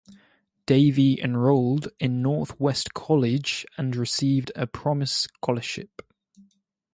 Davey enrolled in Northwest College and received a Promise Scholarship.